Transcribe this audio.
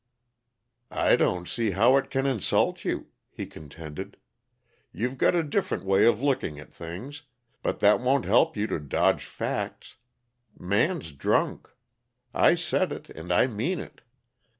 "I don't see how it can insult you," he contended. "You're got a different way of looking at things, but that won't help you to dodge facts. Man's drunk. I said it, and I mean it.